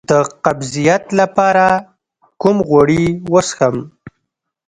د قبضیت لپاره کوم غوړي وڅښم؟